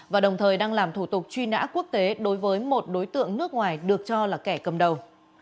và đồng thời đang làm thủ tục truy nã quốc tế đối với một đối tượng nước ngoài được cho là kẻ cầm đầu